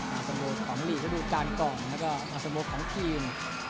มาสมบูรณ์ของอลีกดูการกล่องแล้วก็มาสมบูรณ์ของทีม